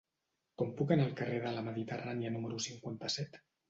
Com puc anar al carrer de la Mediterrània número cinquanta-set?